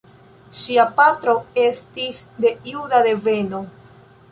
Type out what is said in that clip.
Ŝia patro estis de juda deveno.